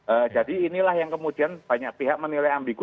eee jadi inilah yang kemudian banyak pihak menilai ambigu